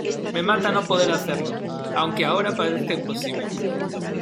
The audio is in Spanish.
me mata no poder hacerlo. aunque ahora parezca imposible,